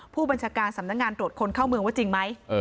ผู้บัญชาการสำนักงานตรวจคนเข้าเมืองว่าจริงไหม